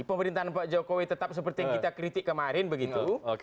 pemerintahan pak jokowi tetap seperti yang kita kritik kemarin begitu